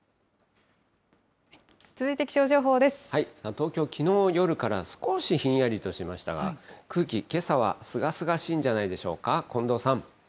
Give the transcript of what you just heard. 東京、きのう夜から少しひんやりとしましたが、空気、けさはすがすがしいんじゃないでしょうか。